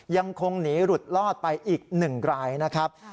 ยังคงหนีหลุดลอดไปอีก๑รายนะครับ